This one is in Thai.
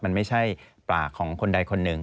มันไม่ใช่ปากของคนใดคนหนึ่ง